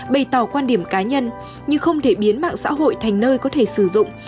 bày tỏ quan điểm cá nhân như không thể biến mạng xã hội thành nơi có thể sử dụng